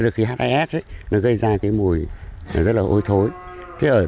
từ khi h hai s nó gây ra cái mùi rất là hôi thối